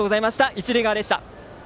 一塁側でした。